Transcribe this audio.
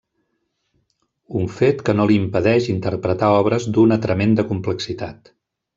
Un fet que no li impedeix interpretar obres d'una tremenda complexitat.